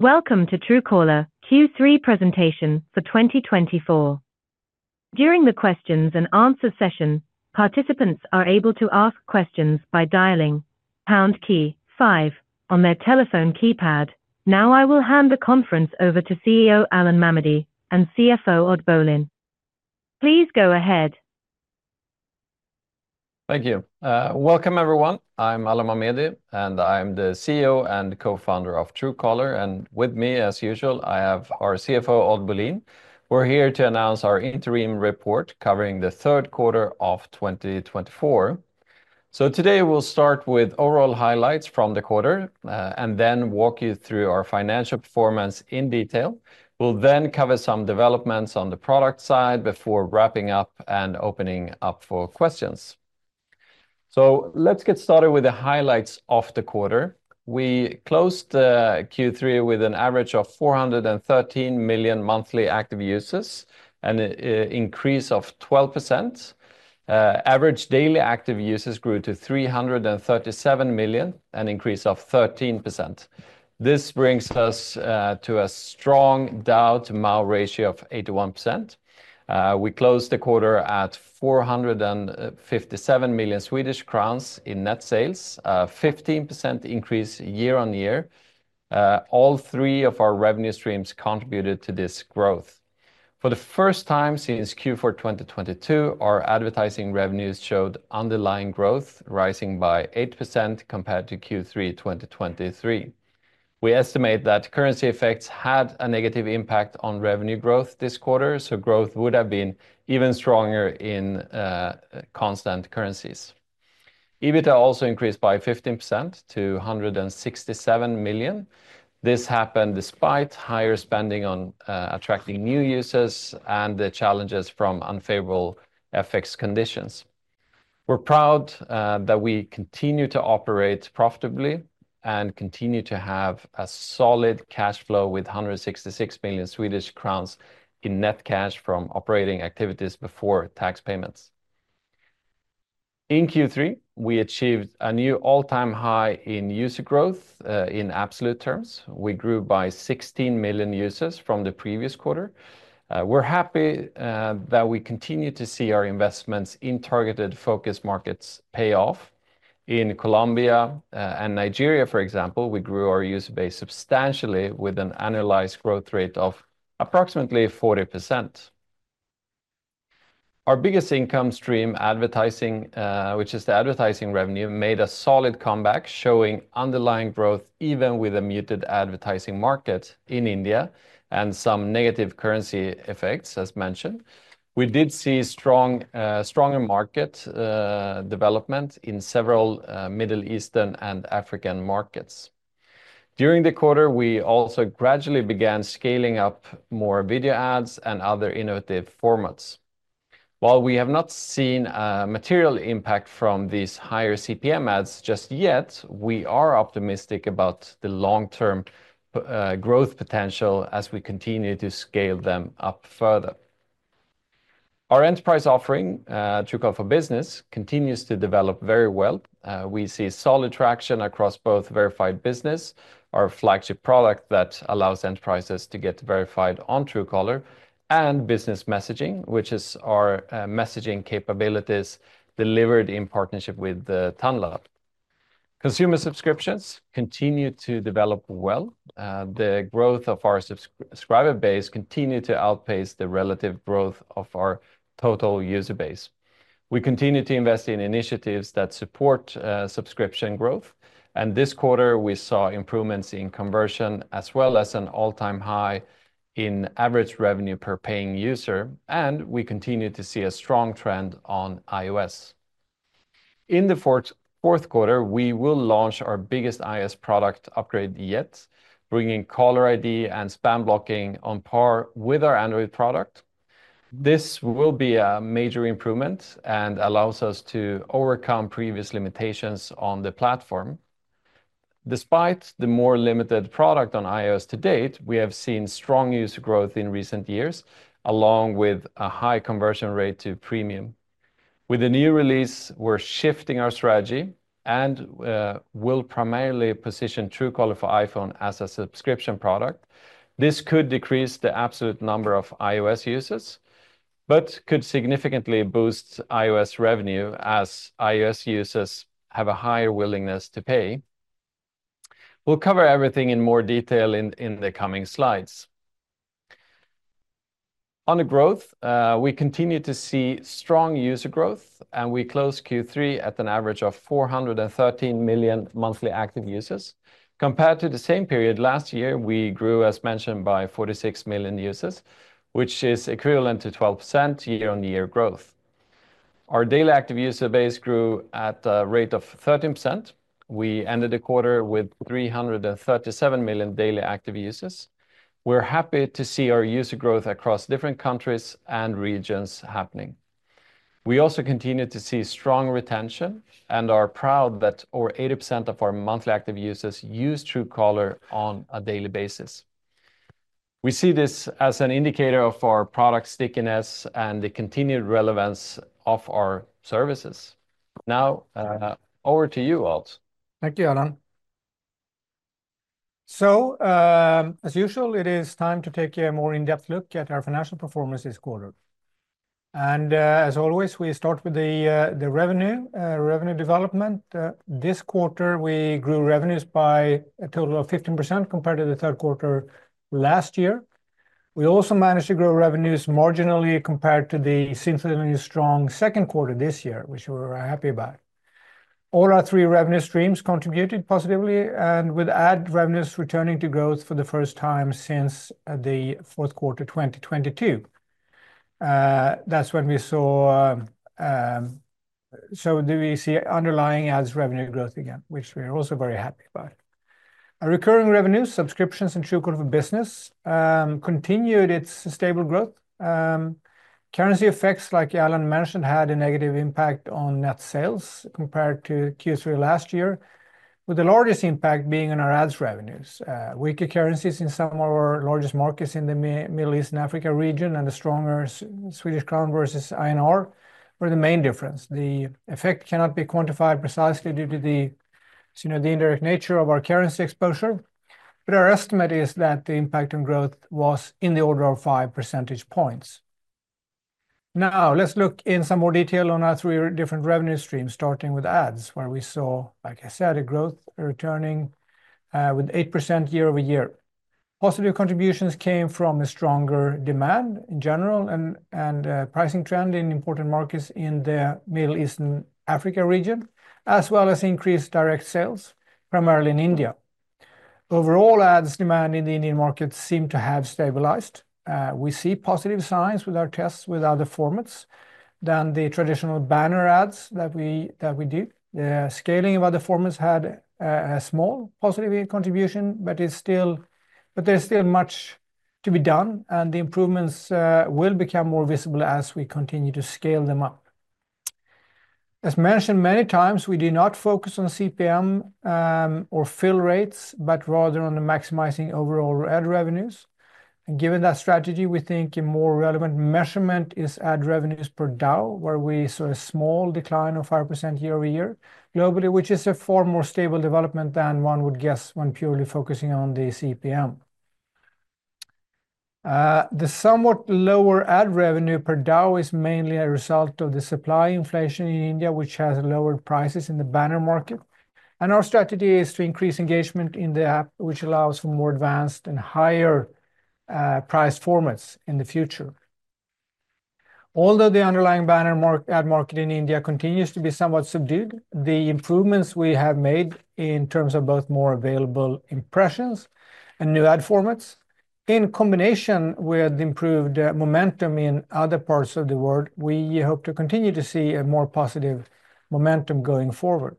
Welcome to Truecaller Q3 Presentation for 2024. During the Q&A session, participants are able to ask questions by dialing pound key five on their telephone keypad. Now I will hand the conference over to CEO Alan Mamedi and CFO Odd Bolin. Please go ahead. Thank you. Welcome, everyone. I'm Alan Mamedi, and I'm the CEO and Co-founder of Truecaller, and with me, as usual, I have our CFO, Odd Bolin. We're here to announce our interim report covering the Q3 of 2024, so today we'll start with overall highlights from the quarter and then walk you through our financial performance in detail. We'll then cover some developments on the product side before wrapping up and opening up for questions, so let's get started with the highlights of the quarter. We closed Q3 with an average of 413 million monthly active users and an increase of 12%. Average daily active users grew to 337 million, an increase of 13%. This brings us to a strong DAU to MAU ratio of 81%. We closed the quarter at 457 million Swedish crowns in net sales, a 15% increase year-on-year. All three of our revenue streams contributed to this growth. For the first time since Q4 2022, our advertising revenues showed underlying growth, rising by 8% compared to Q3 2023. We estimate that currency effects had a negative impact on revenue growth this quarter, so growth would have been even stronger in constant currencies. EBITDA also increased by 15% to 167 million. This happened despite higher spending on attracting new users and the challenges from unfavorable FX conditions. We're proud that we continue to operate profitably and continue to have a solid cash flow with 166 million Swedish crowns in net cash from operating activities before tax payments. In Q3, we achieved a new all-time high in user growth in absolute terms. We grew by 16 million users from the previous quarter. We're happy that we continue to see our investments in targeted focus markets pay off. In Colombia and Nigeria, for example, we grew our user base substantially with an annualized growth rate of approximately 40%. Our biggest income stream, advertising, which is the advertising revenue, made a solid comeback, showing underlying growth even with a muted advertising market in India and some negative currency effects, as mentioned. We did see stronger market development in several Middle Eastern and African markets. During the quarter, we also gradually began scaling up more video ads and other innovative formats. While we have not seen a material impact from these higher CPMs just yet, we are optimistic about the long-term growth potential as we continue to scale them up further. Our enterprise offering, Truecaller for Business, continues to develop very well. We see solid traction across both Verified Business, our flagship product that allows enterprises to get verified on Truecaller, and Business Messaging, which is our messaging capabilities delivered in partnership with Tanla. Consumer subscriptions continue to develop well. The growth of our subscriber base continues to outpace the relative growth of our total user base. We continue to invest in initiatives that support subscription growth. And this quarter, we saw improvements in conversion as well as an all-time high in average revenue per paying user. And we continue to see a strong trend on iOS. In the Q4, we will launch our biggest iOS product upgrade yet, bringing Caller ID and spam blocking on par with our Android product. This will be a major improvement and allows us to overcome previous limitations on the platform. Despite the more limited product on iOS to date, we have seen strong user growth in recent years, along with a high conversion rate to premium. With the new release, we're shifting our strategy and will primarily position Truecaller for iPhone as a subscription product. This could decrease the absolute number of iOS users, but could significantly boost iOS revenue as iOS users have a higher willingness to pay. We'll cover everything in more detail in the coming slides. On the growth, we continue to see strong user growth, and we closed Q3 at an average of 413 million monthly active users. Compared to the same period last year, we grew, as mentioned, by 46 million users, which is equivalent to 12% year-on-year growth. Our daily active user base grew at a rate of 13%. We ended the quarter with 337 million daily active users. We're happy to see our user growth across different countries and regions happening. We also continue to see strong retention and are proud that over 80% of our monthly active users use Truecaller on a daily basis. We see this as an indicator of our product stickiness and the continued relevance of our services. Now, over to you, Odd. Thank you, Alan. So, as usual, it is time to take a more in-depth look at our financial performance this quarter. And as always, we start with the revenue development. This quarter, we grew revenues by a total of 15% compared to the third quarter last year. We also managed to grow revenues marginally compared to the similarly strong second quarter this year, which we're happy about. All our three revenue streams contributed positively, and with ad revenues returning to growth for the first time since the fourth quarter 2022. That's when we saw, so we see underlying ads revenue growth again, which we are also very happy about. Our recurring revenue, subscriptions and Truecaller for Business, continued its stable growth. Currency effects, like Alan mentioned, had a negative impact on net sales compared to Q3 last year, with the largest impact being on our ads revenues. Weaker currencies in some of our largest markets in the Middle East and Africa region and a stronger Swedish krona versus INR were the main difference. The effect cannot be quantified precisely due to the indirect nature of our currency exposure, but our estimate is that the impact on growth was in the order of five percentage points. Now, let's look in some more detail on our three different revenue streams, starting with ads, where we saw, like I said, a growth returning with 8% year-over-year. Positive contributions came from a stronger demand in general and pricing trend in important markets in the Middle East and Africa region, as well as increased direct sales, primarily in India. Overall, ads demand in the Indian market seemed to have stabilized. We see positive signs with our tests with other formats than the traditional banner ads that we do. The scaling of other formats had a small positive contribution, but there's still much to be done, and the improvements will become more visible as we continue to scale them up. As mentioned many times, we do not focus on CPM or fill rates, but rather on maximizing overall ad revenues, and given that strategy, we think a more relevant measurement is ad revenues per DAU, where we saw a small decline of 5% year over year globally, which is a far more stable development than one would guess when purely focusing on the CPM. The somewhat lower ad revenue per DAU is mainly a result of the supply inflation in India, which has lowered prices in the banner market, and our strategy is to increase engagement in the app, which allows for more advanced and higher-priced formats in the future. Although the underlying banner ad market in India continues to be somewhat subdued, the improvements we have made in terms of both more available impressions and new ad formats, in combination with the improved momentum in other parts of the world, we hope to continue to see a more positive momentum going forward.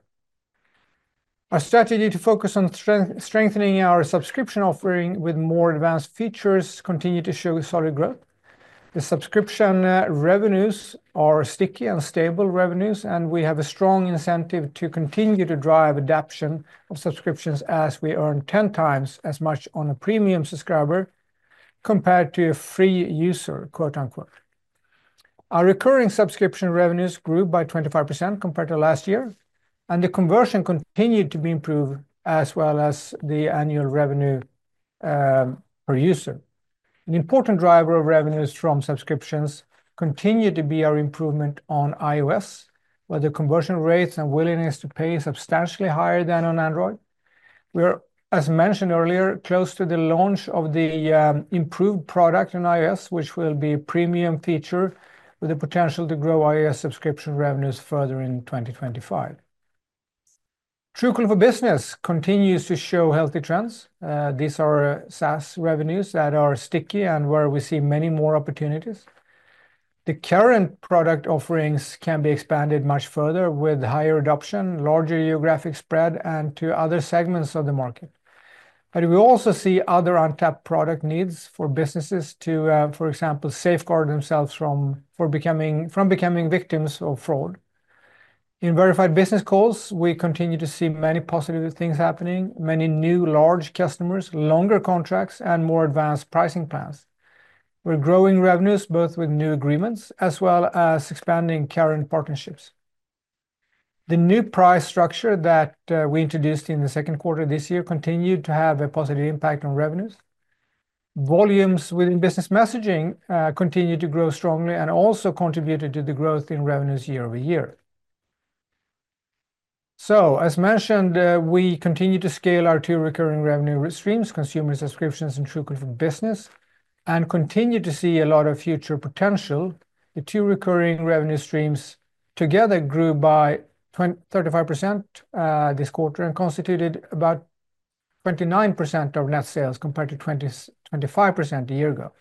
Our strategy to focus on strengthening our subscription offering with more advanced features continues to show solid growth. The subscription revenues are sticky and stable revenues, and we have a strong incentive to continue to drive adoption of subscriptions as we earn 10 times as much on a premium subscriber compared to a "free user." Our recurring subscription revenues grew by 25% compared to last year, and the conversion continued to be improved as well as the annual revenue per user. An important driver of revenues from subscriptions continued to be our improvement on iOS, where the conversion rates and willingness to pay are substantially higher than on Android. We are, as mentioned earlier, close to the launch of the improved product on iOS, which will be a premium feature with the potential to grow iOS subscription revenues further in 2025. Truecaller for Business continues to show healthy trends. These are SaaS revenues that are sticky and where we see many more opportunities. The current product offerings can be expanded much further with higher adoption, larger geographic spread, and to other segments of the market. But we also see other untapped product needs for businesses to, for example, safeguard themselves from becoming victims of fraud. In Verified Business calls, we continue to see many positive things happening, many new large customers, longer contracts, and more advanced pricing plans. We're growing revenues both with new agreements as well as expanding current partnerships. The new price structure that we introduced in the second quarter this year continued to have a positive impact on revenues. Volumes within business messaging continued to grow strongly and also contributed to the growth in revenues year-over-year. So, as mentioned, we continue to scale our two recurring revenue streams, consumer subscriptions and Truecaller for Business, and continue to see a lot of future potential. The two recurring revenue streams together grew by 35% this quarter and constituted about 29% of net sales compared to 25% a year ago.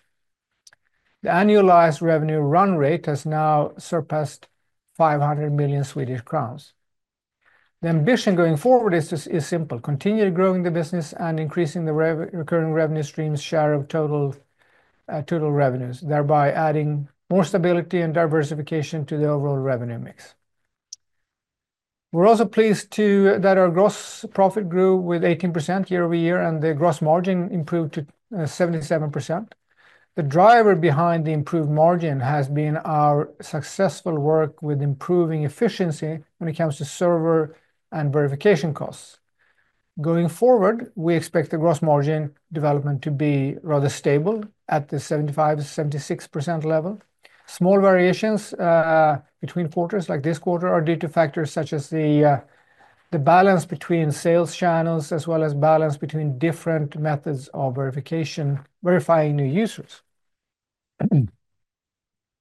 The annualized revenue run rate has now surpassed 500 million Swedish crowns. The ambition going forward is simple: continue to grow the business and increase the recurring revenue stream's share of total revenues, thereby adding more stability and diversification to the overall revenue mix. We're also pleased that our gross profit grew with 18% year-over-year, and the gross margin improved to 77%. The driver behind the improved margin has been our successful work with improving efficiency when it comes to server and verification costs. Going forward, we expect the gross margin development to be rather stable at the 75%-76% level. Small variations between quarters, like this quarter, are due to factors such as the balance between sales channels as well as balance between different methods of verifying new users.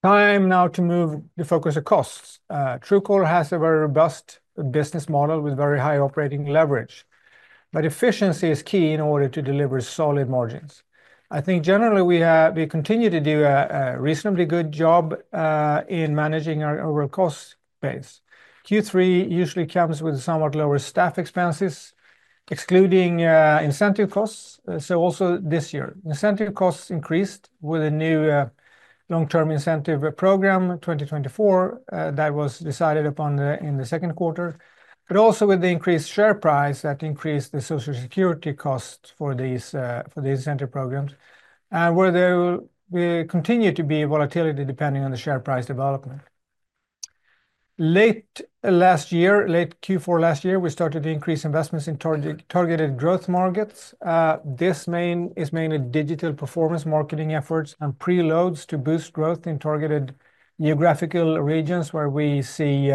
Time now to move the focus to costs. Truecaller has a very robust business model with very high operating leverage, but efficiency is key in order to deliver solid margins. I think generally we continue to do a reasonably good job in managing our overall cost base. Q3 usually comes with somewhat lower staff expenses, excluding incentive costs, so also this year. Incentive costs increased with a new long-term incentive program, 2024, that was decided upon in the second quarter, but also with the increased share price that increased the social security costs for these incentive programs, and where there will continue to be volatility depending on the share price development. Late last year, late Q4 last year, we started to increase investments in targeted growth markets. This is mainly digital performance marketing efforts and preloads to boost growth in targeted geographical regions where we see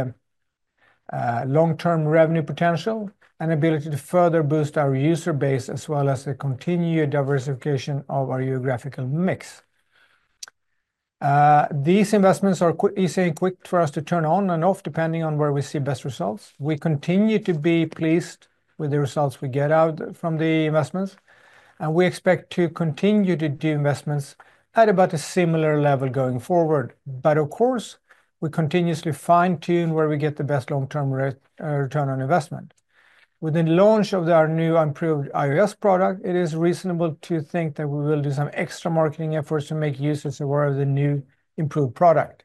long-term revenue potential and ability to further boost our user base as well as the continued diversification of our geographical mix. These investments are easy and quick for us to turn on and off depending on where we see best results. We continue to be pleased with the results we get out from the investments, and we expect to continue to do investments at about a similar level going forward. But of course, we continuously fine-tune where we get the best long-term return on investment. With the launch of our new improved iOS product, it is reasonable to think that we will do some extra marketing efforts to make users aware of the new improved product.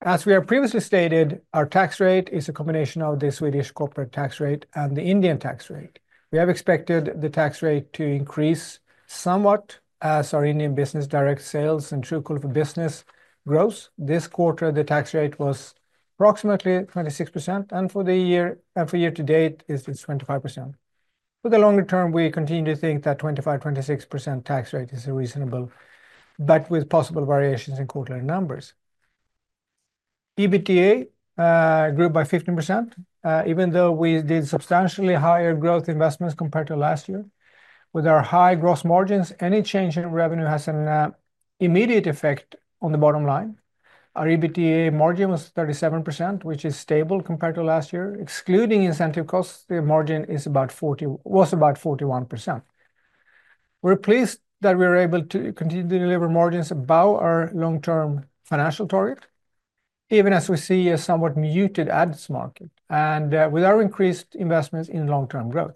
As we have previously stated, our tax rate is a combination of the Swedish corporate tax rate and the Indian tax rate. We have expected the tax rate to increase somewhat as our Indian business direct sales and Truecaller for Business grows. This quarter, the tax rate was approximately 26%, and for the year to date, it's 25%. For the longer term, we continue to think that 25%-26% tax rate is reasonable, but with possible variations in quarterly numbers. EBITDA grew by 15%, even though we did substantially higher growth investments compared to last year. With our high gross margins, any change in revenue has an immediate effect on the bottom line. Our EBITDA margin was 37%, which is stable compared to last year. Excluding incentive costs, the margin was about 41%. We're pleased that we are able to continue to deliver margins above our long-term financial target, even as we see a somewhat muted ads market and with our increased investments in long-term growth.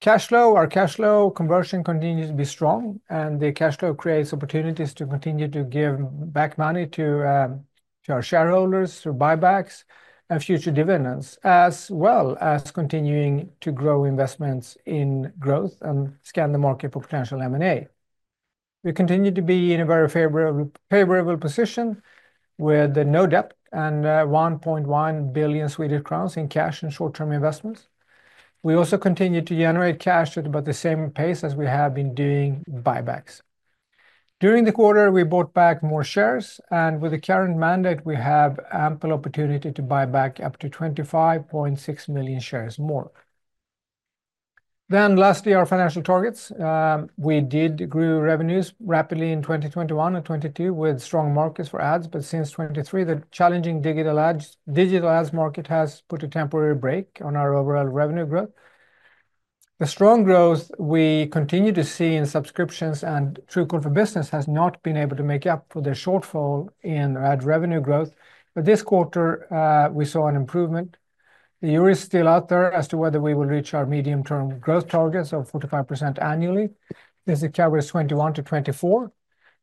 Cash flow, our cash flow conversion continues to be strong, and the cash flow creates opportunities to continue to give back money to our shareholders through buybacks and future dividends, as well as continuing to grow investments in growth and scan the market for potential M&A. We continue to be in a very favorable position with no debt and 1.1 billion Swedish crowns in cash and short-term investments. We also continue to generate cash at about the same pace as we have been doing buybacks. During the quarter, we bought back more shares, and with the current mandate, we have ample opportunity to buy back up to 25.6 million shares more, then lastly, our financial targets. We did grow revenues rapidly in 2021 and 2022 with strong markets for ads, but since 2023, the challenging digital ads market has put a temporary brake on our overall revenue growth. The strong growth we continue to see in subscriptions and Truecaller for Business has not been able to make up for the shortfall in ad revenue growth, but this quarter, we saw an improvement. The year is still out there as to whether we will reach our medium-term growth targets of 45% annually. This is the calendar 2021 to 2024.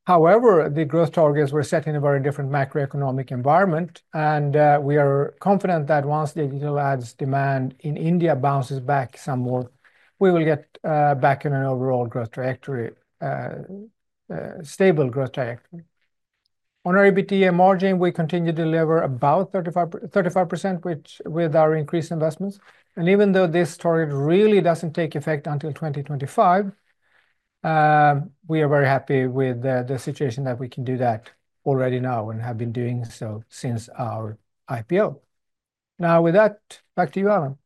However, the growth targets were set in a very different macroeconomic environment, and we are confident that once digital ads demand in India bounces back some more, we will get back in an overall growth trajectory, stable growth trajectory. On our EBITDA margin, we continue to deliver about 35% with our increased investments, and even though this target really doesn't take effect until 2025, we are very happy with the situation that we can do that already now and have been doing so since our IPO. Now with that, back to you, Alan.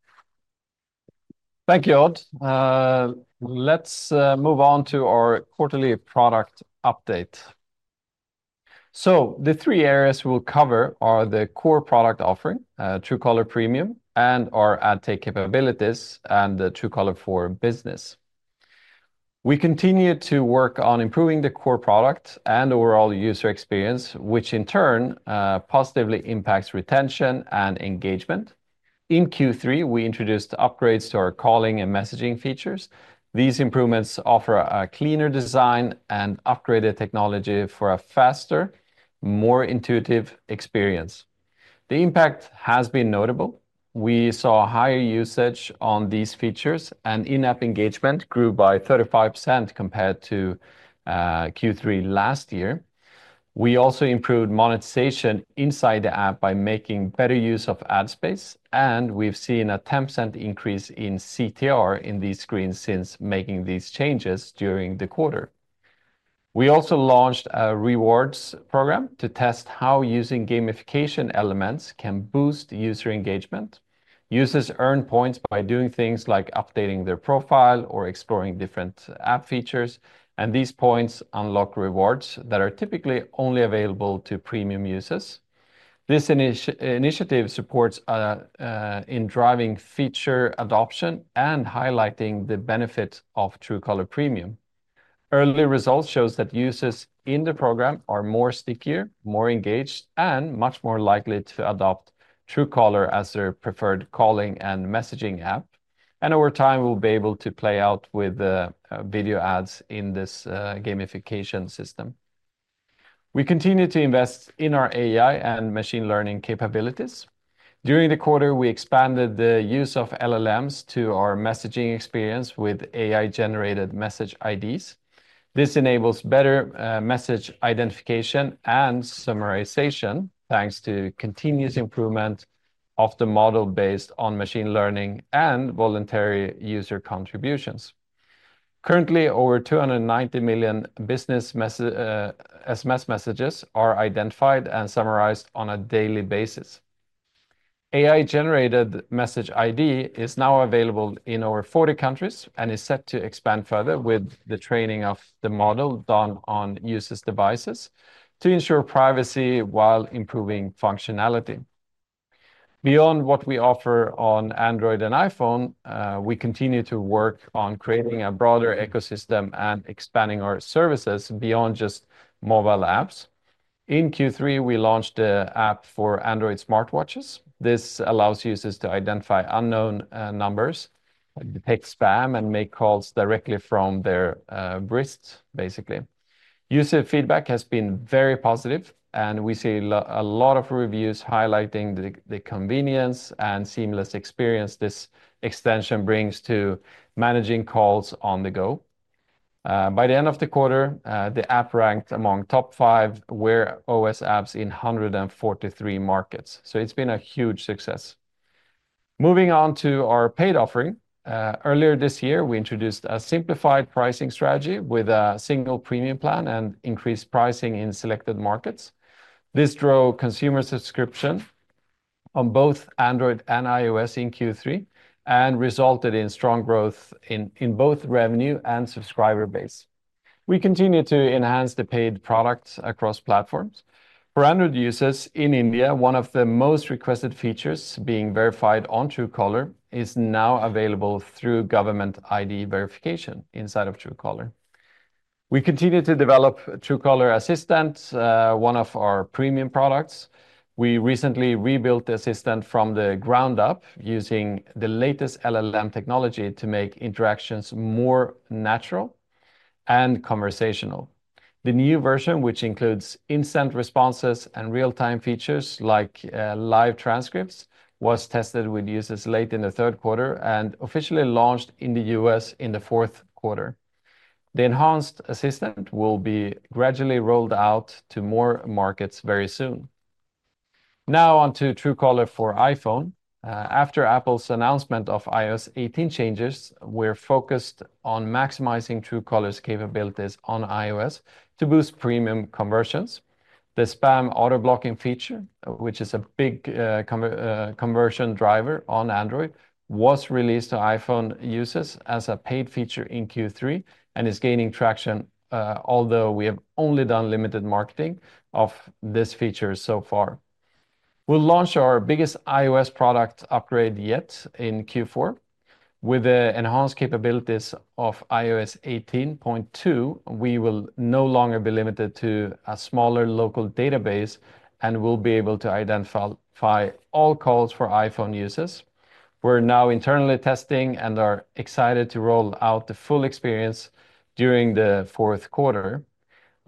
Thank you, Odd. Let's move on to our quarterly product update, so the three areas we'll cover are the core product offering, Truecaller Premium, and our ad tech capabilities, and the Truecaller for Business. We continue to work on improving the core product and overall user experience, which in turn positively impacts retention and engagement. In Q3, we introduced upgrades to our calling and messaging features. These improvements offer a cleaner design and upgraded technology for a faster, more intuitive experience. The impact has been notable. We saw higher usage on these features, and in-app engagement grew by 35% compared to Q3 last year. We also improved monetization inside the app by making better use of ad space, and we've seen a 10% increase in CTR in these screens since making these changes during the quarter. We also launched a rewards program to test how using gamification elements can boost user engagement. Users earn points by doing things like updating their profile or exploring different app features, and these points unlock rewards that are typically only available to premium users. This initiative supports in driving feature adoption and highlighting the benefit of Truecaller Premium. Early results show that users in the program are more stickier, more engaged, and much more likely to adopt Truecaller as their preferred calling and messaging app. And over time, we'll be able to play out with video ads in this gamification system. We continue to invest in our AI and machine learning capabilities. During the quarter, we expanded the use of LLMs to our messaging experience with AI-generated message IDs. This enables better message identification and summarization thanks to continuous improvement of the model based on machine learning and voluntary user contributions. Currently, over 290 million business SMS messages are identified and summarized on a daily basis. AI-generated message ID is now available in over 40 countries and is set to expand further with the training of the model done on users' devices to ensure privacy while improving functionality. Beyond what we offer on Android and iPhone, we continue to work on creating a broader ecosystem and expanding our services beyond just mobile apps. In Q3, we launched the app for Android smartwatches. This allows users to identify unknown numbers, detect spam, and make calls directly from their wrists, basically. User feedback has been very positive, and we see a lot of reviews highlighting the convenience and seamless experience this extension brings to managing calls on the go. By the end of the quarter, the app ranked among the top five Wear OS apps in 143 markets, so it's been a huge success. Moving on to our paid offering. Earlier this year, we introduced a simplified pricing strategy with a single premium plan and increased pricing in selected markets. This drove consumer subscription on both Android and iOS in Q3 and resulted in strong growth in both revenue and subscriber base. We continue to enhance the paid products across platforms. For Android users in India, one of the most requested features being verified on Truecaller is now available through government ID verification inside of Truecaller. We continue to develop Truecaller Assistant, one of our premium products. We recently rebuilt the Assistant from the ground up using the latest LLM technology to make interactions more natural and conversational. The new version, which includes instant responses and real-time features like live transcripts, was tested with users late in the third quarter and officially launched in the U.S. in the fourth quarter. The enhanced assistant will be gradually rolled out to more markets very soon. Now on to Truecaller for iPhone. After Apple's announcement of iOS 18 changes, we're focused on maximizing Truecaller's capabilities on iOS to boost premium conversions. The spam auto-blocking feature, which is a big conversion driver on Android, was released to iPhone users as a paid feature in Q3 and is gaining traction, although we have only done limited marketing of this feature so far. We'll launch our biggest iOS product upgrade yet in Q4. With the enhanced capabilities of iOS 18.2, we will no longer be limited to a smaller local database and will be able to identify all calls for iPhone users. We're now internally testing and are excited to roll out the full experience during the fourth quarter.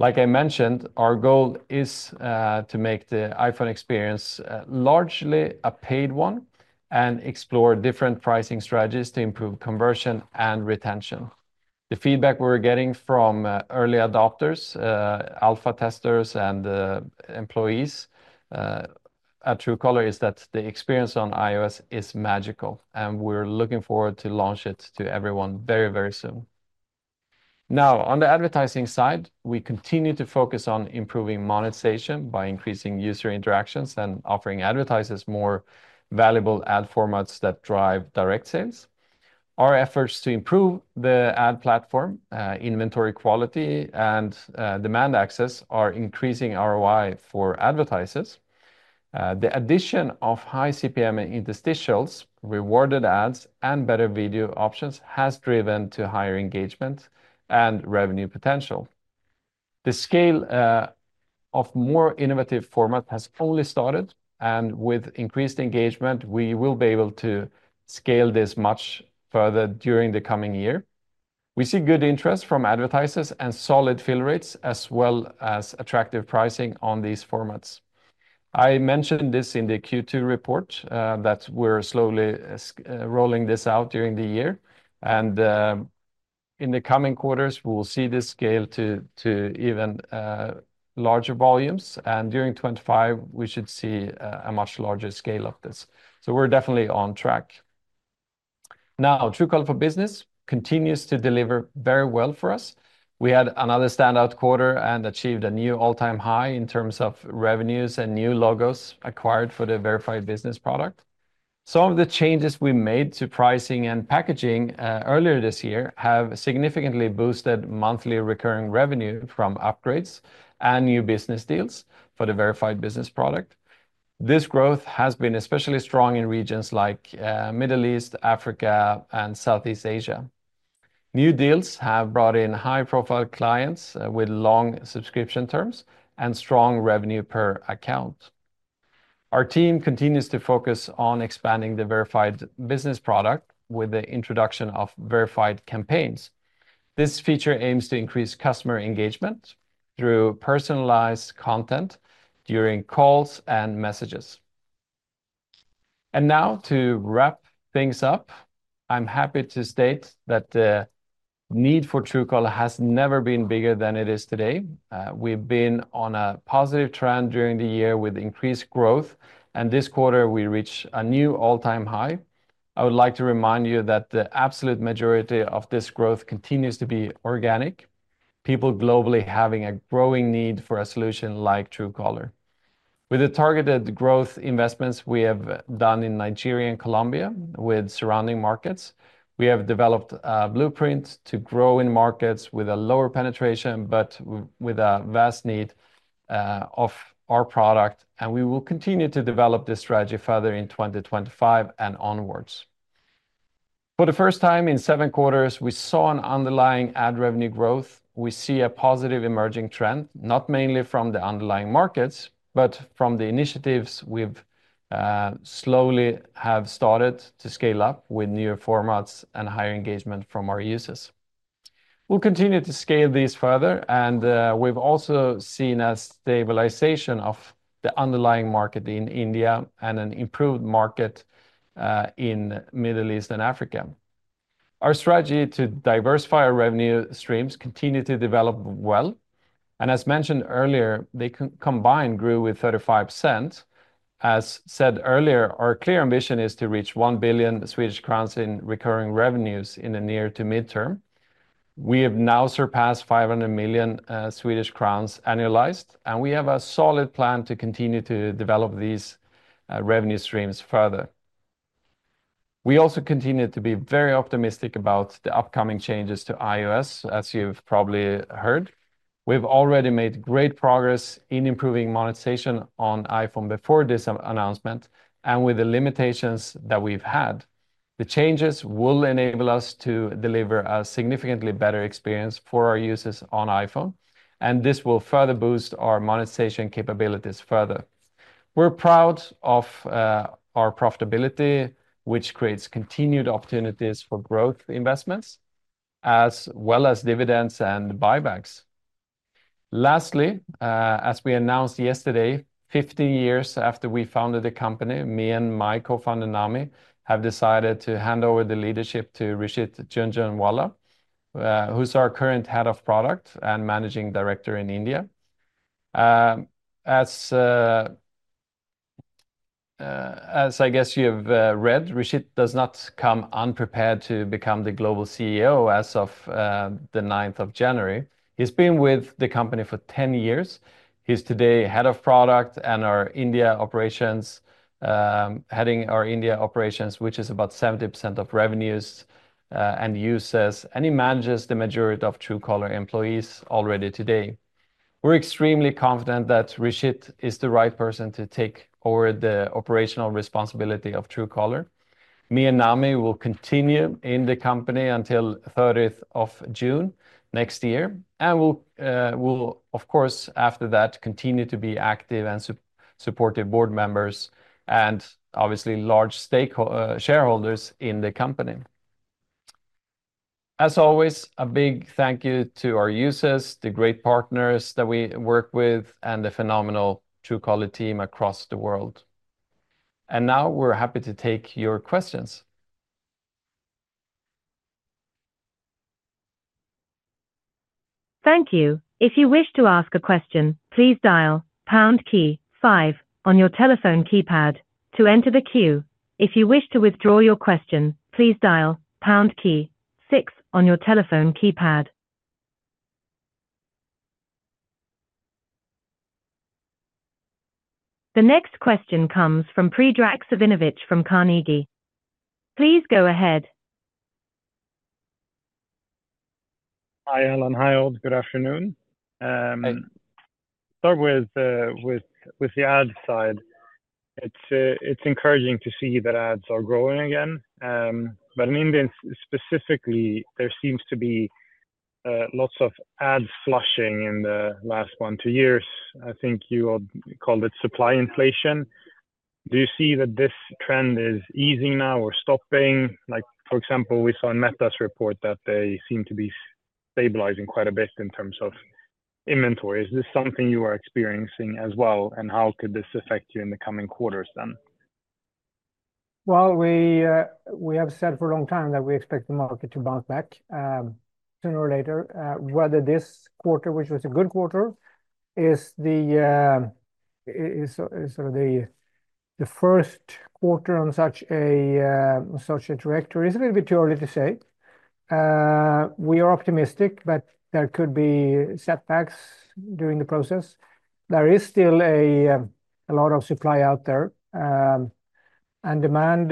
Like I mentioned, our goal is to make the iPhone experience largely a paid one and explore different pricing strategies to improve conversion and retention. The feedback we're getting from early adopters, alpha testers, and employees at Truecaller is that the experience on iOS is magical, and we're looking forward to launching it to everyone very, very soon. Now, on the advertising side, we continue to focus on improving monetization by increasing user interactions and offering advertisers more valuable ad formats that drive direct sales. Our efforts to improve the ad platform, inventory quality, and demand access are increasing ROI for advertisers. The addition of high CPM interstitials, rewarded ads, and better video options has driven higher engagement and revenue potential. The scale of more innovative formats has only started, and with increased engagement, we will be able to scale this much further during the coming year. We see good interest from advertisers and solid fill rates, as well as attractive pricing on these formats. I mentioned this in the Q2 report, that we're slowly rolling this out during the year, and in the coming quarters, we'll see this scale to even larger volumes, and during 2025, we should see a much larger scale of this. So we're definitely on track. Now, Truecaller for Business continues to deliver very well for us. We had another standout quarter and achieved a new all-time high in terms of revenues and new logos acquired for the Verified Business product. Some of the changes we made to pricing and packaging earlier this year have significantly boosted monthly recurring revenue from upgrades and new business deals for the Verified Business product. This growth has been especially strong in regions like the Middle East, Africa, and Southeast Asia. New deals have brought in high-profile clients with long subscription terms and strong revenue per account. Our team continues to focus on expanding the Verified Business product with the introduction of Verified Campaigns. This feature aims to increase customer engagement through personalized content during calls and messages. And now to wrap things up, I'm happy to state that the need for Truecaller has never been bigger than it is today. We've been on a positive trend during the year with increased growth, and this quarter, we reached a new all-time high. I would like to remind you that the absolute majority of this growth continues to be organic, people globally having a growing need for a solution like Truecaller. With the targeted growth investments we have done in Nigeria and Colombia with surrounding markets, we have developed a blueprint to grow in markets with a lower penetration, but with a vast need of our product, and we will continue to develop this strategy further in 2025 and onwards. For the first time in seven quarters, we saw an underlying ad revenue growth. We see a positive emerging trend, not mainly from the underlying markets, but from the initiatives we've slowly started to scale up with newer formats and higher engagement from our users. We'll continue to scale these further, and we've also seen a stabilization of the underlying market in India and an improved market in the Middle East and Africa. Our strategy to diversify our revenue streams continues to develop well, and as mentioned earlier, they combined grew with 35%. As said earlier, our clear ambition is to reach 1 billion Swedish crowns in recurring revenues in the near to midterm. We have now surpassed 500 million Swedish crowns annualized, and we have a solid plan to continue to develop these revenue streams further. We also continue to be very optimistic about the upcoming changes to iOS, as you've probably heard. We've already made great progress in improving monetization on iPhone before this announcement, and with the limitations that we've had, the changes will enable us to deliver a significantly better experience for our users on iPhone, and this will further boost our monetization capabilities further. We're proud of our profitability, which creates continued opportunities for growth investments, as well as dividends and buybacks. Lastly, as we announced yesterday, 50 years after we founded the company, me and my Co-founder, Nami, have decided to hand over the leadership to Rishit Jhunjhunwala, who's our current Head of Product and Managing Director in India. As I guess you've read, Rishit does not come unprepared to become the Global CEO as of the 9th of January. He's been with the company for 10 years. He's today head of product and our India operations, heading our India operations, which is about 70% of revenues and users, and he manages the majority of Truecaller employees already today. We're extremely confident that Rishit is the right person to take over the operational responsibility of Truecaller. Me and Nami will continue in the company until the 30th of June next year, and we'll, of course, after that, continue to be active and supportive board members and obviously large shareholders in the company. As always, a big thank you to our users, the great partners that we work with, and the phenomenal Truecaller team across the world, and now we're happy to take your questions. Thank you. If you wish to ask a question, please dial pound key five on your telephone keypad to enter the queue. If you wish to withdraw your question, please dial pound key six on your telephone keypad. The next question comes from Predrag Savinovic from Carnegie. Please go ahead. Hi, Alan. Hi, Odd. Good afternoon. Start with the ad side. It's encouraging to see that ads are growing again. In India specifically, there seems to be lots of ad flushing in the last one to two years. I think you called it supply inflation. Do you see that this trend is easing now or stopping for example, we saw in Meta's report that they seem to be stabilizing quite a bit in terms of inventory. Is this something you are experiencing as well? And how could this affect you in the coming quarters then? We have said for a long time that we expect the market to bounce back sooner or later. Whether this quarter, which was a good quarter, is sort of the first quarter on such a trajectory is a little bit too early to say. We are optimistic, but there could be setbacks during the process. There is still a lot of supply out there, and demand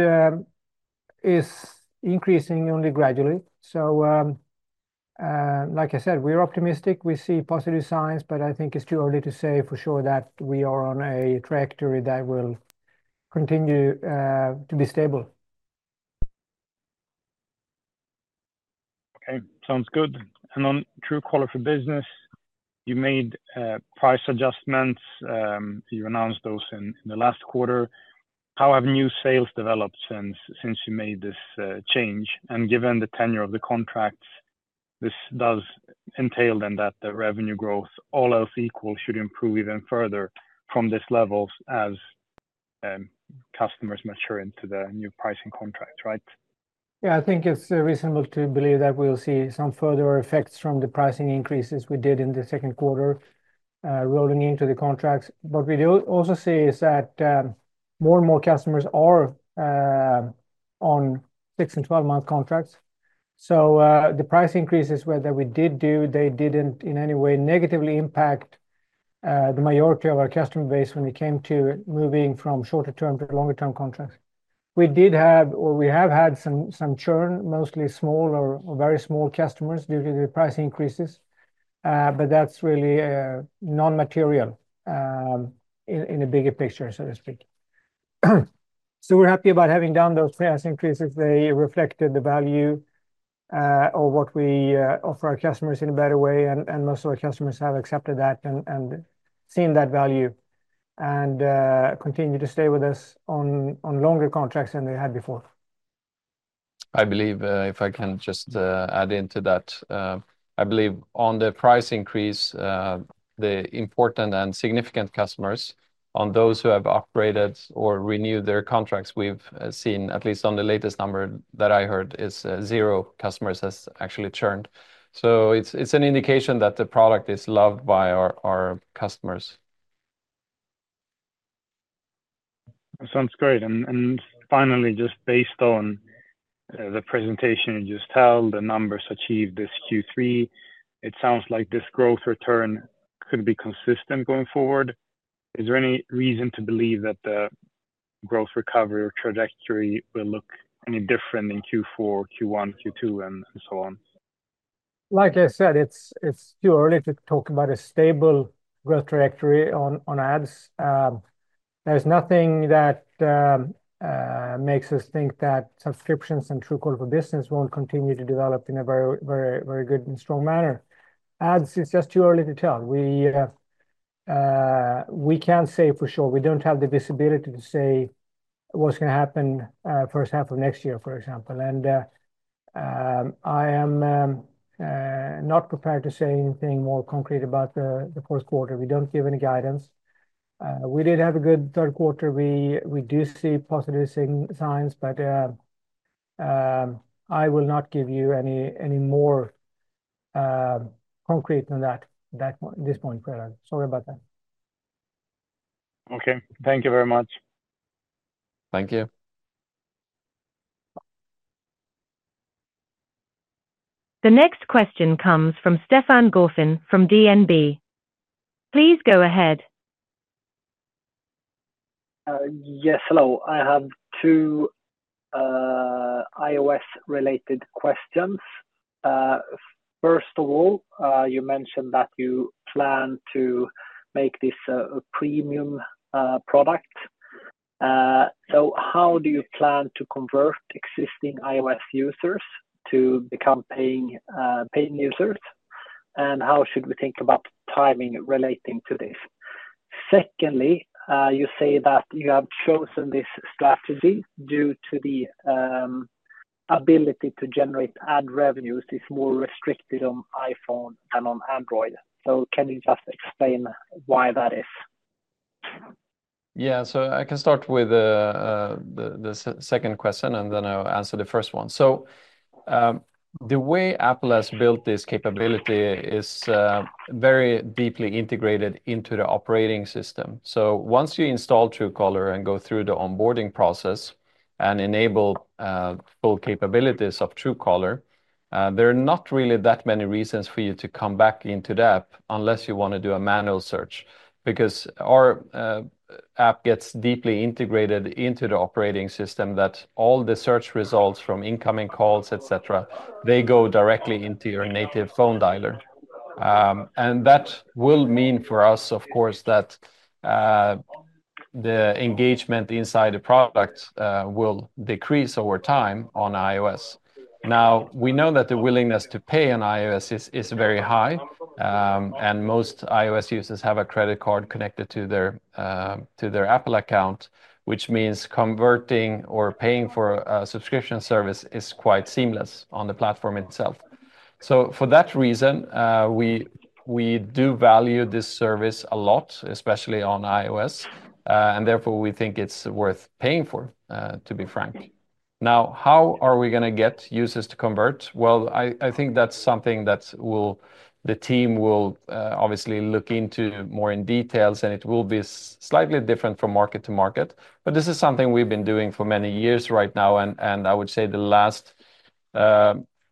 is increasing only gradually. So, like I said, we're optimistic. We see positive signs, but I think it's too early to say for sure that we are on a trajectory that will continue to be stable. Okay, sounds good. And on Truecaller for Business, you made price adjustments. You announced those in the last quarter. How have new sales developed since you made this change? And given the tenure of the contracts, this does entail then that the revenue growth, all else equal, should improve even further from this level as customers mature into the new pricing contracts, right? Yeah, I think it's reasonable to believe that we'll see some further effects from the pricing increases we did in the second quarter rolling into the contracts. What we do also see is that more and more customers are on six and 12 month contracts. So the price increases, whether we did do, they didn't in any way negatively impact the majority of our customer base when it came to moving from shorter-term to longer-term contracts. We did have, or we have had some churn, mostly small or very small customers due to the price increases, but that's really non-material in a bigger picture, so to speak. So we're happy about having done those price increases. They reflected the value of what we offer our customers in a better way, and most of our customers have accepted that and seen that value and continue to stay with us on longer contracts than they had before. I believe, if I can just add into that, I believe on the price increase, the important and significant customers, on those who have upgraded or renewed their contracts, we've seen, at least on the latest number that I heard, is zero customers has actually churned. So it's an indication that the product is loved by our customers. Sounds great. And finally, just based on the presentation you just held, the numbers achieved this Q3? It sounds like this growth return could be consistent going forward. Is there any reason to believe that the growth recovery or trajectory will look any different in Q4, Q1, Q2, and so on? Like I said, it's too early to talk about a stable growth trajectory on ads. There's nothing that makes us think that subscriptions and Truecaller for Business won't continue to develop in a very, very, very good and strong manner. It's just too early to tell. We can't say for sure. We don't have the visibility to say what's going to happen first half of next year, for example. And I am not prepared to say anything more concrete about the fourth quarter. We don't give any guidance. We did have a good third quarter. We do see positive signs, but I will not give you any more concrete than that at this point, Pred. Sorry about that. Okay, thank you very much. The next question comes from Stefan Gauffin from DNB. Please go ahead. Yes, hello. I have two iOS-related questions. First of all, you mentioned that you plan to make this a premium product. So how do you plan to convert existing iOS users to become paying users? And how should we think about timing relating to this? Secondly, you say that you have chosen this strategy due to the ability to generate ad revenues is more restricted on iPhone than on Android? So can you just explain why that is? Yeah, so I can start with the second question, and then I'll answer the first one. So the way Apple has built this capability is very deeply integrated into the operating system. So once you install Truecaller and go through the onboarding process and enable full capabilities of Truecaller, there are not really that many reasons for you to come back into the app unless you want to do a manual search, because our app gets deeply integrated into the operating system that all the search results from incoming calls, etc., they go directly into your native phone dialer. And that will mean for us, of course, that the engagement inside the product will decrease over time on iOS. Now, we know that the willingness to pay on iOS is very high, and most iOS users have a credit card connected to their Apple account, which means converting or paying for a subscription service is quite seamless on the platform itself. So for that reason, we do value this service a lot, especially on iOS, and therefore we think it's worth paying for, to be frank. Now, how are we going to get users to convert? Well, I think that's something that the team will obviously look into more in detail, and it will be slightly different from market to market. But this is something we've been doing for many years right now, and I would say the last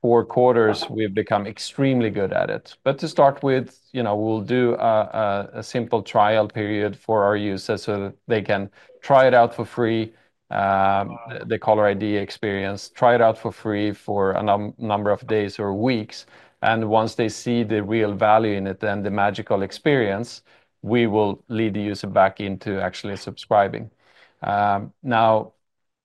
four quarters we've become extremely good at it. But to start with, we'll do a simple trial period for our users so they can try it out for free, the Caller ID experience, try it out for free for a number of days or weeks. And once they see the real value in it and the magical experience, we will lead the user back into actually subscribing. Now,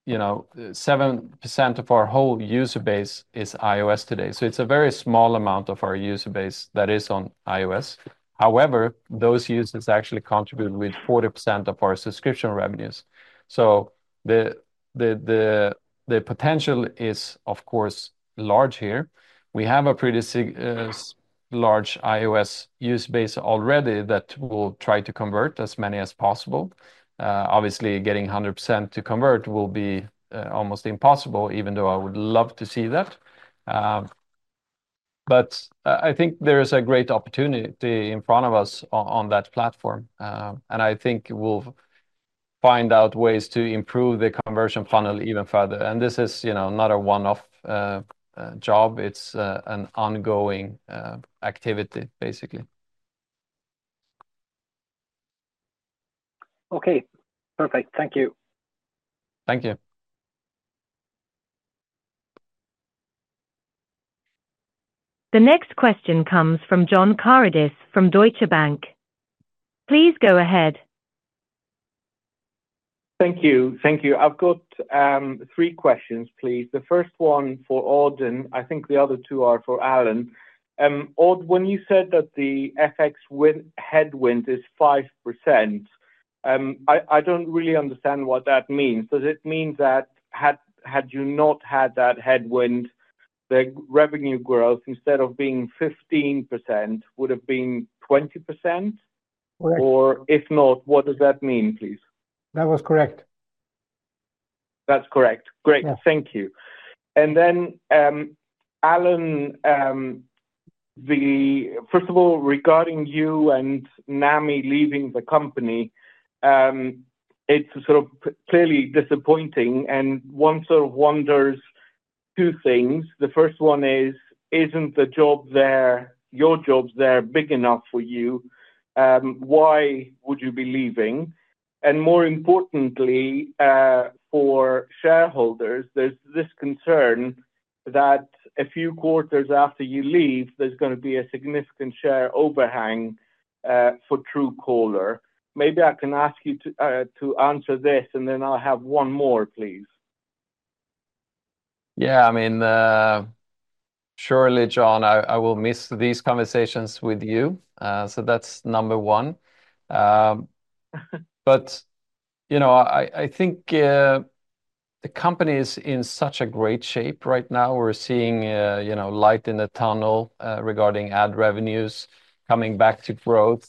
7% of our whole user base is iOS today, so it's a very small amount of our user base that is on iOS. However, those users actually contribute with 40% of our subscription revenues. So the potential is, of course, large here. We have a pretty large iOS user base already that will try to convert as many as possible. Obviously, getting 100% to convert will be almost impossible, even though I would love to see that. But I think there is a great opportunity in front of us on that platform, and I think we'll find out ways to improve the conversion funnel even further. And this is not a one-off job. It's an ongoing activity, basically. Okay, perfect. Thank you. The next question comes from John Karidis from Deutsche Bank. Please go ahead. Thank you. Thank you. I've got three questions, please. The first one for Odd and I think the other two are for Alan. Odd, when you said that the FX headwind is 5%, I don't really understand what that means. Does it mean that had you not had that headwind, the revenue growth instead of being 15% would have been 20%? Or if not, what does that mean, please? That's correct. Great. Thank you. And then, Alan, first of all, regarding you and Nami leaving the company, it's sort of clearly disappointing. And one sort of wonders two things. The first one is, isn't the job there, your job there big enough for you? Why would you be leaving? And more importantly, for shareholders, there's this concern that a few quarters after you leave, there's going to be a significant share overhang for Truecaller. Maybe I can ask you to answer this, and then I'll have one more, please? Yeah, I mean, surely, John, I will miss these conversations with you. So that's number one. But I think the company is in such a great shape right now. We're seeing light in the tunnel regarding ad revenues coming back to growth.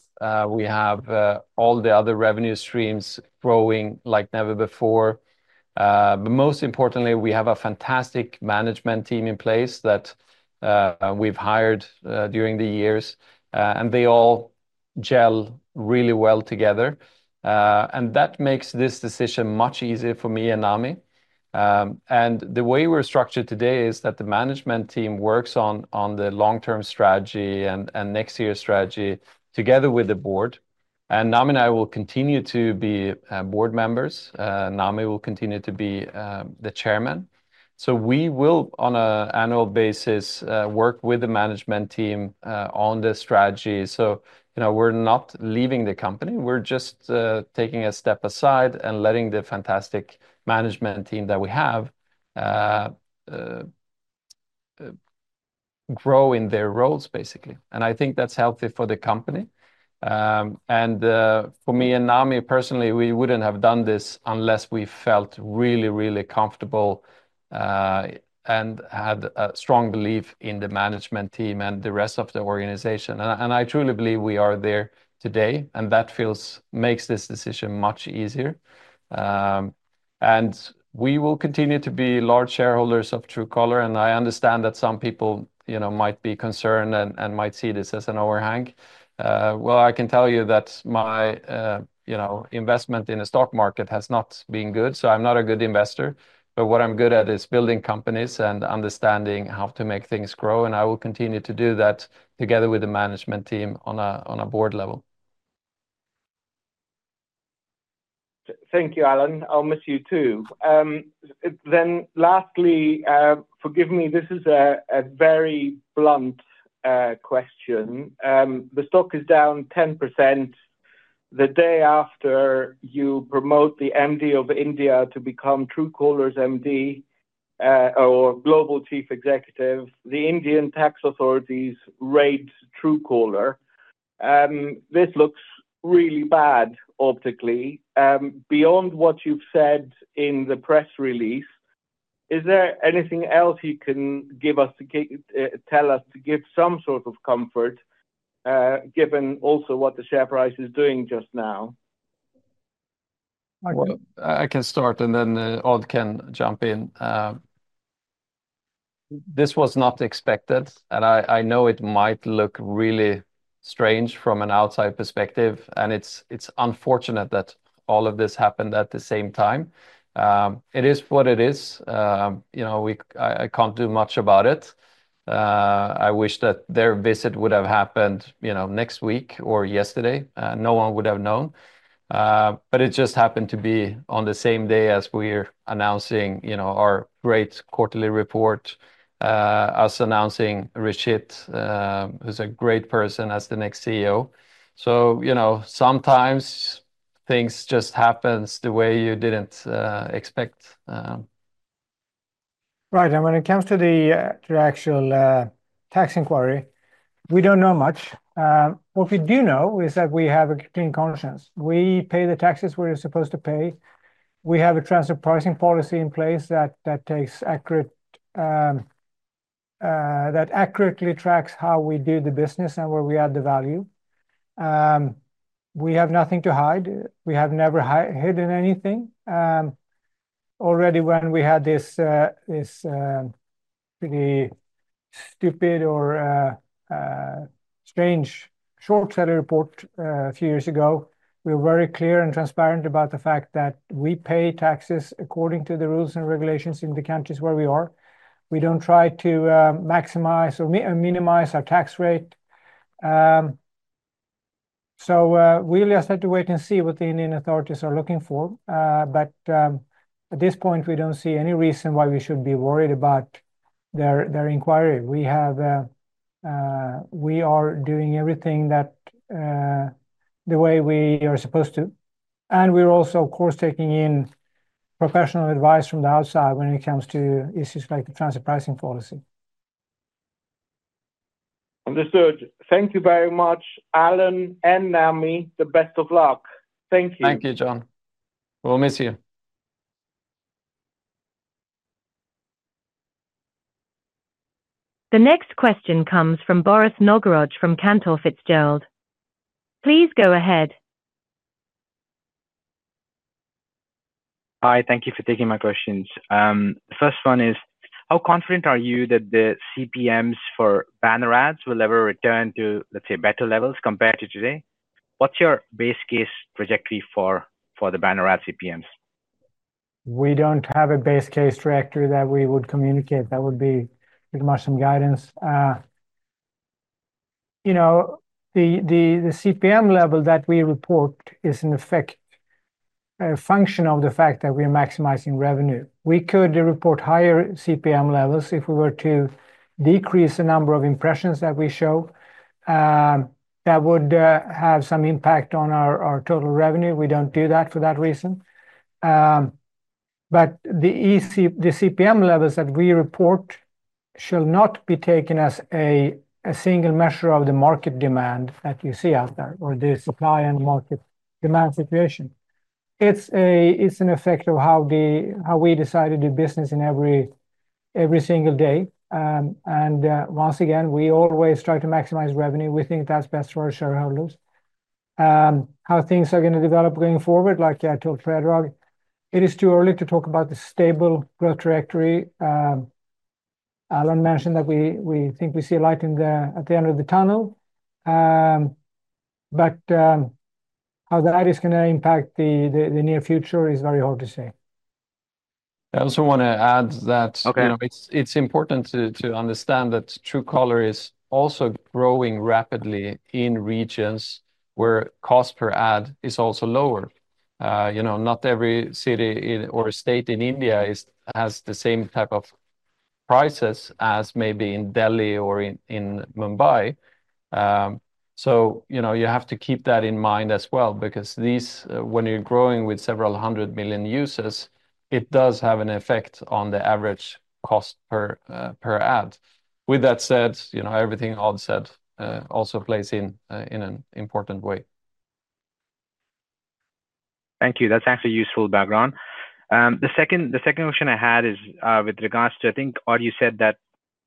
We have all the other revenue streams growing like never before. But most importantly, we have a fantastic management team in place that we've hired during the years, and they all gel really well together. And that makes this decision much easier for me and Nami. And the way we're structured today is that the management team works on the long-term strategy and next year's strategy together with the board. And Nami and I will continue to be board members. Nami will continue to be the Chairman. So we will, on an annual basis, work with the management team on the strategy. So we're not leaving the company. We're just taking a step aside and letting the fantastic management team that we have grow in their roles, basically. And I think that's healthy for the company. For me and Nami personally, we wouldn't have done this unless we felt really, really comfortable and had a strong belief in the management team and the rest of the organization. I truly believe we are there today, and that makes this decision much easier. We will continue to be large shareholders of Truecaller. I understand that some people might be concerned and might see this as an overhang. Well, I can tell you that my investment in the stock market has not been good, so I'm not a good investor. What I'm good at is building companies and understanding how to make things grow. I will continue to do that together with the management team on a board level. Thank you, Alan. I'll miss you too. Lastly, forgive me, this is a very blunt question. The stock is down 10%. The day after you promote the MD of India to become Truecaller's MD or Global Chief Executive, the Indian tax authorities raid Truecaller. This looks really bad optically. Beyond what you've said in the press release, is there anything else you can tell us to give some sort of comfort, given also what the share price is doing just now? I can start, and then Odd can jump in. This was not expected, and I know it might look really strange from an outside perspective, and it's unfortunate that all of this happened at the same time. It is what it is. I can't do much about it. I wish that their visit would have happened next week or yesterday. No one would have known. But it just happened to be on the same day as we're announcing our great quarterly report, us announcing Rishit, who's a great person as the next CEO. So sometimes things just happen the way you didn't expect. Right. And when it comes to the actual tax inquiry, we don't know much. What we do know is that we have a clean conscience. We pay the taxes we're supposed to pay. We have a transfer pricing policy in place that accurately tracks how we do the business and where we add the value. We have nothing to hide. We have never hidden anything. Already when we had this pretty stupid or strange short seller report a few years ago, we were very clear and transparent about the fact that we pay taxes according to the rules and regulations in the countries where we are. We don't try to maximize or minimize our tax rate. So we'll just have to wait and see what the Indian authorities are looking for. But at this point, we don't see any reason why we should be worried about their inquiry. We are doing everything the way we are supposed to. And we're also, of course, taking in professional advice from the outside when it comes to issues like the transfer pricing policy. Understood. Thank you very much, Alan and Nami. The best of luck. Thank you. The next question comes from Brett Knoblauch from Cantor Fitzgerald. Please go ahead. Hi. Thank you for taking my questions. The first one is, how confident are you that the CPMs for banner ads will ever return to, let's say, better levels compared to today? What's your base case trajectory for the banner ad CPMs? We don't have a base case trajectory that we would communicate. That would be pretty much some guidance. The CPM level that we report is, in effect, a function of the fact that we are maximizing revenue. We could report higher CPM levels if we were to decrease the number of impressions that we show. That would have some impact on our total revenue. We don't do that for that reason. But the CPM levels that we report shall not be taken as a single measure of the market demand that you see out there or the supply and market demand situation. It's an effect of how we decide to do business every single day. And once again, we always try to maximize revenue. We think that's best for our shareholders. How things are going to develop going forward, like I told Predrag, it is too early to talk about the stable growth trajectory. Alan mentioned that we think we see a light at the end of the tunnel, but how that is going to impact the near future is very hard to say. I also want to add that it's important to understand that Truecaller is also growing rapidly in regions where cost per ad is also lower. Not every city or state in India has the same type of prices as maybe in Delhi or in Mumbai, so you have to keep that in mind as well, because when you're growing with several hundred million users, it does have an effect on the average cost per ad. With that said, everything Odd said also plays in an important way. The second question I had is with regards to, I think, Odd, you said that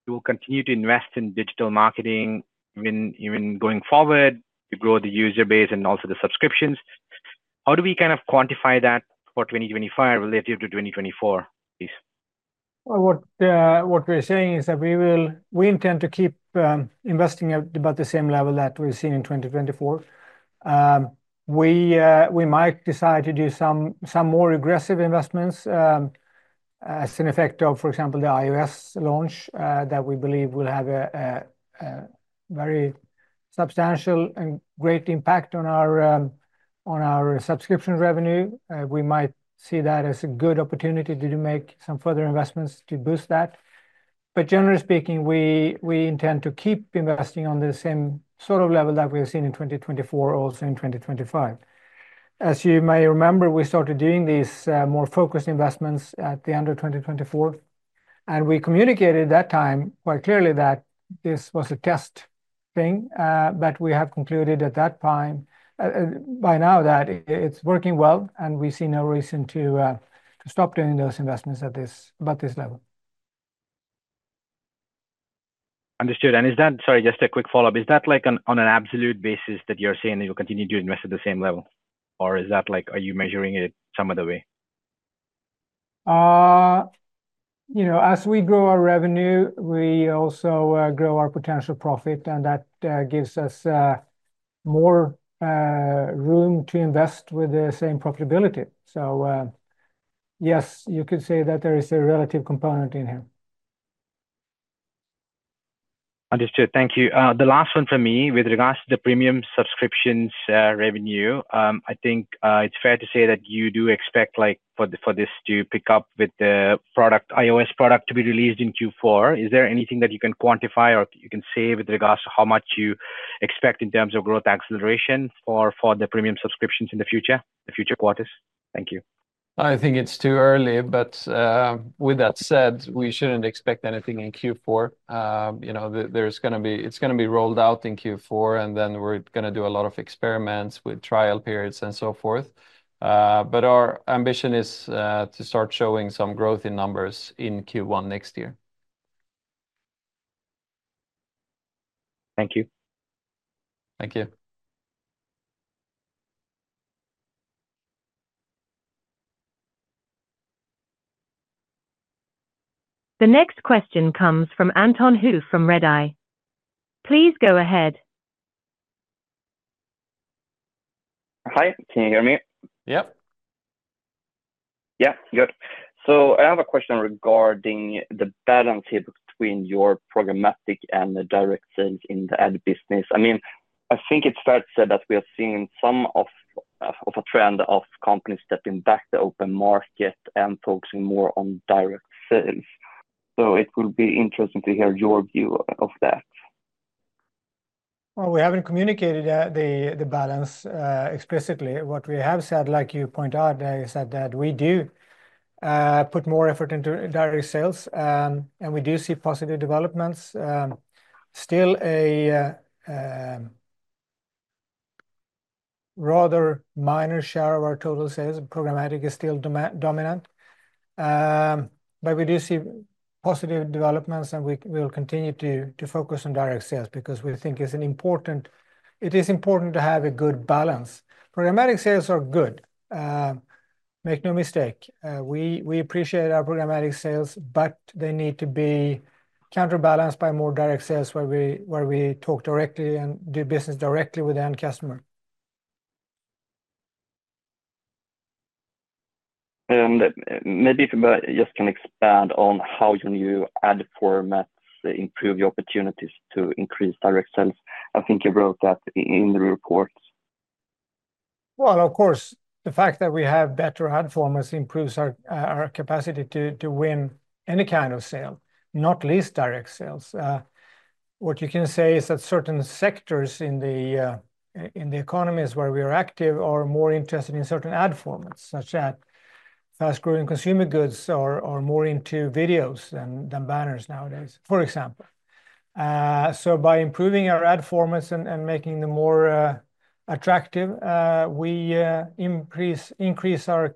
you will continue to invest in digital marketing even going forward to grow the user base and also the subscriptions. How do we kind of quantify that for 2025 relative to 2024, please? What we're saying is that we intend to keep investing at about the same level that we've seen in 2024. We might decide to do some more aggressive investments as an effect of, for example, the iOS launch that we believe will have a very substantial and great impact on our subscription revenue. We might see that as a good opportunity to make some further investments to boost that. But generally speaking, we intend to keep investing on the same sort of level that we have seen in 2024, also in 2025. As you may remember, we started doing these more focused investments at the end of 2024. And we communicated at that time quite clearly that this was a test thing. But we have concluded at that time by now that it's working well, and we see no reason to stop doing those investments at this level. Understood. And is that, sorry, just a quick follow-up, is that on an absolute basis that you're saying that you'll continue to invest at the same level? Or is that like, are you measuring it some other way? As we grow our revenue, we also grow our potential profit, and that gives us more room to invest with the same profitability. So yes, you could say that there is a relative component in here. The last one for me, with regards to the premium subscriptions revenue, I think it's fair to say that you do expect for this to pick up with the iOS product to be released in Q4. Is there anything that you can quantify or you can say with regards to how much you expect in terms of growth acceleration for the premium subscriptions in the future, the future quarters? Thank you. I think it's too early. But with that said, we shouldn't expect anything in Q4. It's going to be rolled out in Q4, and then we're going to do a lot of experiments with trial periods and so forth. But our ambition is to start showing some growth in numbers in Q1 next year. Thank you. The next question comes from Anton Hoof from Redeye. Please go ahead. Hi can you hear me? Yep. Yeah. Good. So I have a question regarding the balance here between your programmatic and direct sales in the ad business. I mean, I think it's fair to say that we are seeing some of a trend of companies stepping back to open market and focusing more on direct sales. So it would be interesting to hear your view of that? Well, we haven't communicated the balance explicitly. What we have said, like you point out, is that we do put more effort into direct sales, and we do see positive developments. Still, a rather minor share of our total sales, programmatic, is still dominant. But we do see positive developments, and we will continue to focus on direct sales because we think it is important to have a good balance. Programmatic sales are good. Make no mistake. We appreciate our programmatic sales, but they need to be counterbalanced by more direct sales where we talk directly and do business directly with the end customer. And maybe if you just can expand on how your new ad formats improve your opportunities to increase direct sales. I think you wrote that in the report. Well, of course, the fact that we have better ad formats improves our capacity to win any kind of sale, not least direct sales. What you can say is that certain sectors in the economies where we are active are more interested in certain ad formats, such as fast-growing consumer goods or more into videos than banners nowadays, for example. So by improving our ad formats and making them more attractive, we increase our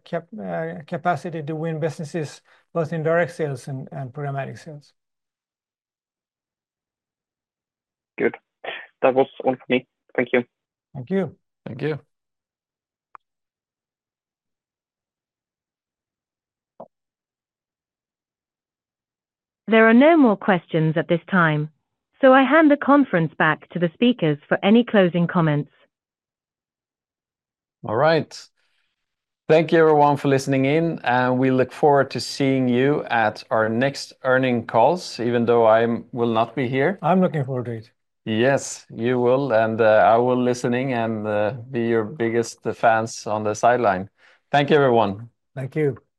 capacity to win businesses, both in direct sales and programmatic sales. Good. That was all for me. Thank you. There are no more questions at this time, so I hand the conference back to the speakers for any closing comments. All right. Thank you, everyone, for listening in. And we look forward to seeing you at our next earnings calls, even though I will not be here. Yes, you will. And I will be listening and be your biggest fans on the sideline. Thank you, everyone.